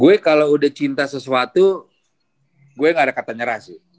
gue kalau udah cinta sesuatu gue gak ada kata nyerah sih